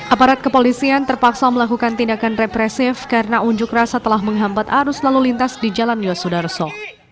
aparat kepolisian terpaksa melakukan tindakan represif karena unjuk rasa telah menghambat arus lalu lintas di jalan yosudarso